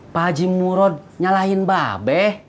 pak haji murad nyalahin ba be